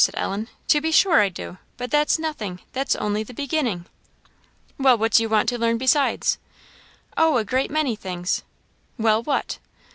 said Ellen "to be sure I do; but that's nothing; that's only the beginning." "Well, what do you want to learn besides?" "Oh, a great many things." "Well, what?"